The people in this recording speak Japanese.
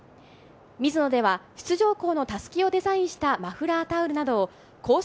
ミズノでは出場校の襷をデザインしたマフラータオルなどを公式